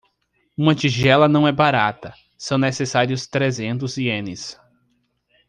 Uma tigela não é barata, são necessários trezentos ienes.